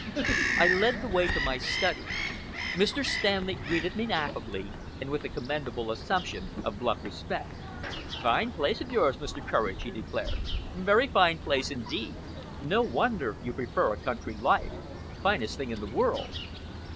I led the way to my study. Mr. Stanley greeted me affably and with a commendable assumption of bluff respect. "Fine place of yours, Mr. Courage," he declared. "Very fine place indeed. No wonder you prefer a country life. Finest thing in the world."